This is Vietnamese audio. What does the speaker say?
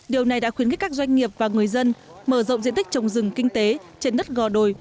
điều này đã khuyến khích các doanh nghiệp và người dân mở rộng diện tích trồng rừng kinh tế trên đất gò đồi